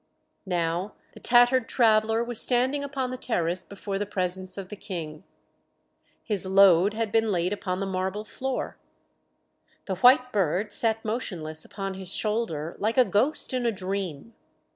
Now the tattered traveller was standing upon the terrace before the presence of the King. His load had been laid upon the marble floor. The white bird sat motionless upon his shoulder, like a ghost in a dream.